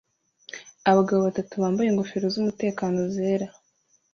Abagabo batatu bambaye ingofero z'umutekano zera